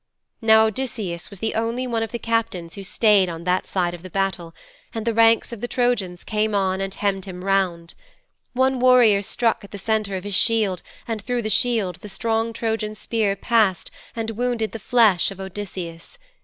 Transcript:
'Now Odysseus was the only one of the captains who stayed on that side of the battle, and the ranks of the Trojans came on and hemmed him round. One warrior struck at the centre of his shield and through the shield the strong Trojan spear passed and wounded the flesh of Odysseus.